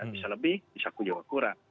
bisa lebih bisa kunjung kurang